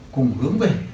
cùng hướng về